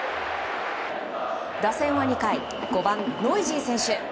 打線は２回５番、ノイジー選手。